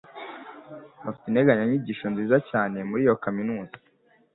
Bafite integanyanyigisho nziza cyane muri iyo kaminuza.